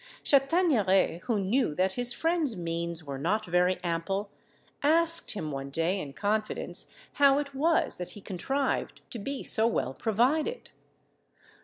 Chataigneraie, who knew that his friend's means were not very ample, asked him one day in confidence how it was that he contrived to be so well provided?